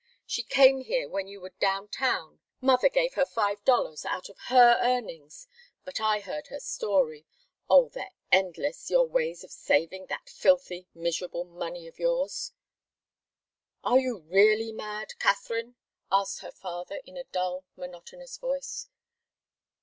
She came here when you were down town. Mother gave her five dollars out of her earnings but I heard her story. Oh, they're endless, your ways of saving that filthy, miserable money of yours!" "Are you really mad, Katharine?" asked her father, in a dull, monotonous voice.